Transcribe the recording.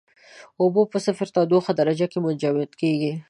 اوبه په صفر تودوخې درجه کې منجمد کیږي.